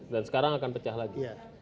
dan sekarang akan pecah lagi